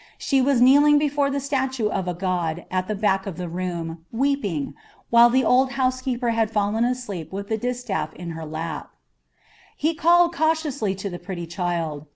She was kneeling before the statue of a god at the back of the room, weeping, while the old housekeeper had fallen asleep with the distaff in her lap. He called cautiously to the pretty child.